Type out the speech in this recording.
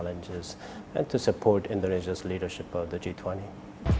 dan untuk mendukung pemerintah g dua puluh indonesia